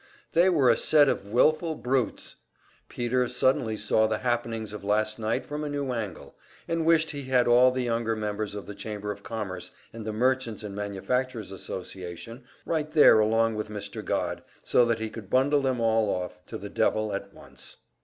They were a set of wilful brutes! Peter suddenly saw the happenings of last night from a new angle, and wished he had all the younger members of the Chamber of Commerce and the Merchants' and Manufacturers' Association right there along with Mr. Godd, so that he could bundle them all off to the devil at once.